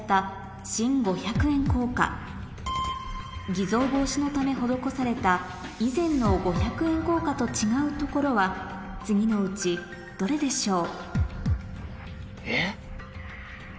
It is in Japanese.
偽造防止のため施された以前の５００円硬貨と違うところは次のうちどれでしょう？